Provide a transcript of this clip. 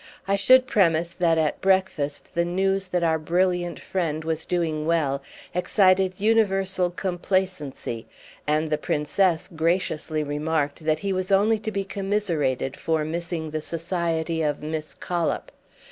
I should premise that at breakfast the news that our brilliant friend was doing well excited universal complacency, and the Princess graciously remarked that he was only to be commiserated for missing the society of Miss Collop.